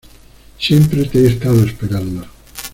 Siempre te he estado esperando.